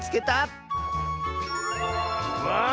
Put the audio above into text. わあ。